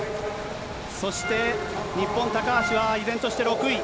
そして日本、高橋は依然として６位。